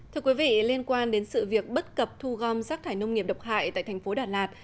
thưa quý vị liên quan đến sự việc bất cập thu gom rác thải nông nghiệp độc hại tại thành phố đà lạt